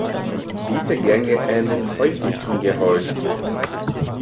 Diese Gänge enden häufig in Geröll.